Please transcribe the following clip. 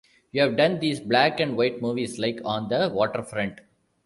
You've done these black-and-white movies like "On the Waterfront".